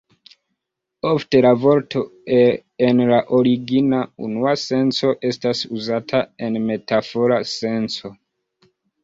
Ofte la vorto en la origina, unua senco estas uzata en metafora senco.